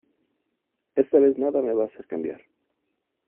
esta vez nada me va a hacer cambiar.